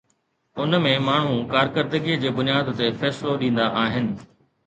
ان ۾ ماڻهو ڪارڪردگيءَ جي بنياد تي فيصلو ڏيندا آهن.